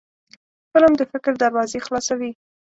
فلم د فکر دروازې خلاصوي